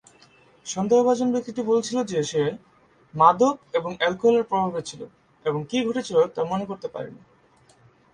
সন্দেহভাজন ব্যক্তি টি বলেছিল যে সে "মাদক এবং অ্যালকোহলের প্রভাবে" ছিল এবং কী ঘটেছিল তা মনে করতে পারেনি।